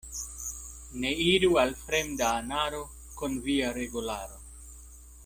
Ne iru al fremda anaro kun via regularo.